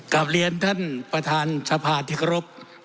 กับเรียนท่านประธานสภาทิกรพ